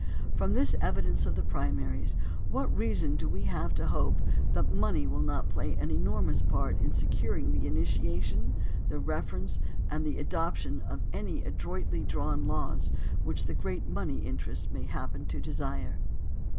From this evidence of the primaries, what reason have we to hope that money will not play an enormous part in securing the initiation, the reference, and the adoption of any adroitly drawn laws which the great money interests may happen to desire